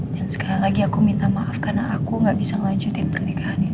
dan sekali lagi aku minta maaf karena aku gak bisa ngelanjutin pernikahan itu